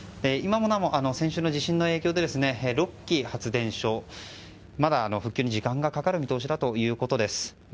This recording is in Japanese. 今もなお、先週の地震の影響で６基の発電所がまだ復旧に時間がかかる見通しだということです。